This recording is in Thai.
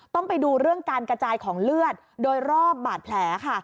ต้องไปดูเรื่องการกระจายของเลือดโดยรอบบาดแผลค่ะ